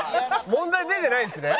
問題出てないんですね？